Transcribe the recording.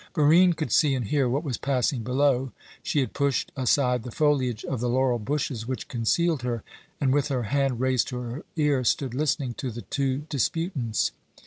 Barine could see and hear what was passing below. She had pushed aside the foliage of the laurel bushes which concealed her, and, with her hand raised to her ear, stood listening to the two disputants.